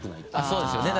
そうですよね